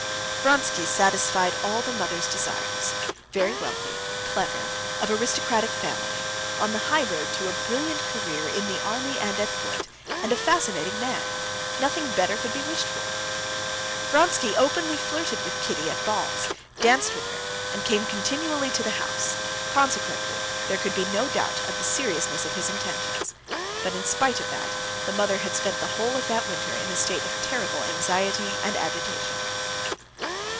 Vronsky satisfied all the mother's desires. Very wealthy, clever, of aristocratic family, on the highroad to a brilliant career in the army and at court, and a fascinating man. Nothing better could be wished for. Vronsky openly flirted with Kitty at balls, danced with her, and came continually to the house, consequently there could be no doubt of the seriousness of his intentions. But, in spite of that, the mother had spent the whole of that winter in a state of terrible anxiety and agitation.